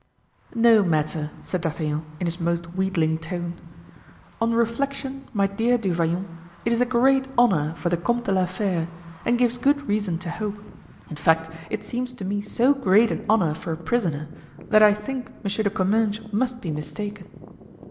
"No matter," said D'Artagnan, in his most wheedling tone. "On reflection, my dear Du Vallon, it is a great honor for the Comte de la Fere, and gives good reason to hope. In fact, it seems to me so great an honor for a prisoner that I think Monsieur de Comminges must be mistaken."